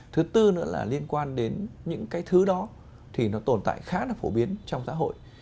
thứ tư nữa là liên quan đến những cái thứ đó thì nó tồn tại khá là phổ biến trong xã hội